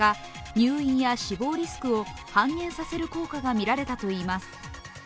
入院や死亡リスクを半減させる効果が見られたといいます。